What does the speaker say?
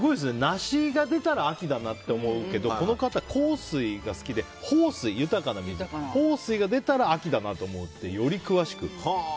ナシが出たら秋だなと思うけどこの方、幸水が好きで豊水が出たら秋だなと思うってより詳しく。